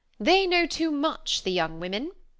They know too much, the young women.